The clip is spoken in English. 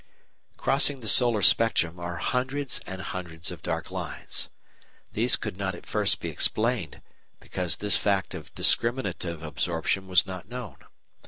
Crossing the solar spectrum are hundreds and hundreds of dark lines. These could not at first be explained, because this fact of discriminative absorption was not known.